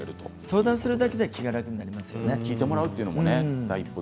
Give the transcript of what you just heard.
相談するだけで気が楽になりますよね。